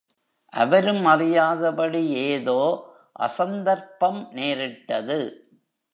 அவரும் அறியாதபடி ஏதோ அசந்தர்ப்பம் நேரிட்டது.